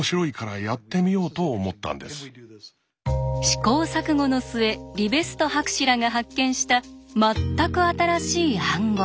試行錯誤の末リベスト博士らが発見した全く新しい暗号。